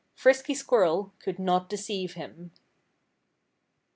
Frisky Squirrel could not deceive him.